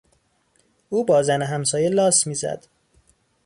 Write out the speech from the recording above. او با زن همسایه لاس میزد.